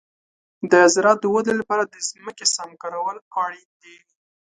د زراعت د ودې لپاره د ځمکې سم کارول اړین دي.